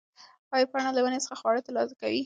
ایا پاڼه له ونې څخه خواړه ترلاسه کوي؟